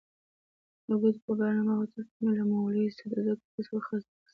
د کوټې په برمه هوټل کې مې له مولوي سدوزي کاکا څخه خط واخیست.